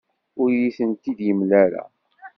Ur iyi-tent-id-yemla ara.